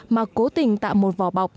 mà cố tình tạo một vò bọc